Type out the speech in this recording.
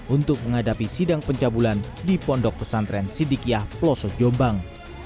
untuk menghadapi sidang pencabulan di pondok pesantren sidikiah peloso jombang